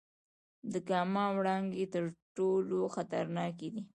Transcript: د ګاما وړانګې تر ټولو خطرناکې دي.